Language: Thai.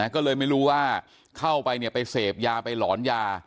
ก็เลยไม่รู้ว่าเข้าไปไปเสพยาไปหลอนยา